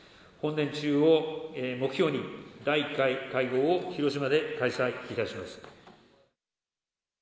本年中を目標に、第１回会合を広島で開催いたします。